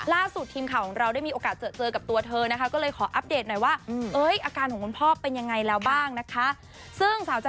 ล่าสุดทีมข่าวของเราได้มีโอกาสเจอกับตัวเธอนะคะ